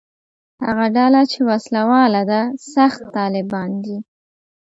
هغه ډله چې وسله واله ده «سخت طالبان» دي.